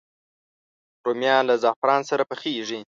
رومیان له زعفران سره پخېږي